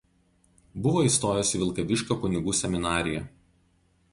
Buvo įstojęs į Vilkaviškio kunigų seminariją.